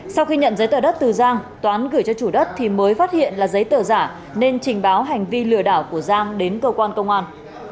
sau khi nhận giấy tờ đất từ giang toán gửi cho chủ đất thì mới phát hiện là giấy tờ giả nên trình báo hành vi lừa đảo của giang đến cơ quan công an